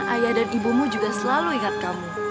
ayah dan ibumu juga selalu ingat kamu